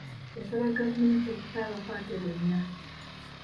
Yasaba gavumenti okuta abakwate bonna.